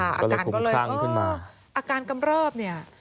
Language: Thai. อาการกำลับ